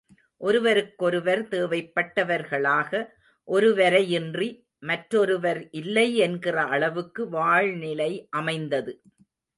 ஒருவருக்கொருவர் தேவைப்பட்டவர்களாக, ஒருவரையின்றி மற்றொருவர் இல்லை என்கிற அளவுக்கு வாழ்நிலை அமைந்தது.